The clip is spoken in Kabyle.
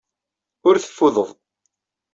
Ur teffudeḍ.